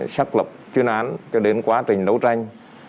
xác lập chuyên án cho đến quá trình đấu tranh